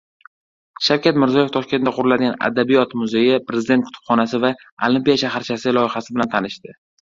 Shavkat Mirziyoyev Toshkentda quriladigan adabiyot muzeyi, Prezident kutubxonasi va Olimpiya shaharchasi loyihasi bilan tanishdi